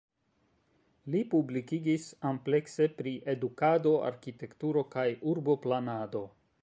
Li publikigis amplekse pri edukado, arkitekturo kaj urboplanado.